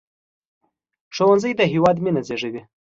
ښوونځی د هیواد مينه زیږوي